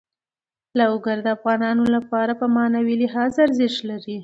لوگر د افغانانو لپاره په معنوي لحاظ ارزښت لري.